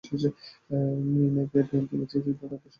Me Leggett দেখছি বেদান্ত সমিতিটাকে চালু করে দিয়েছেন।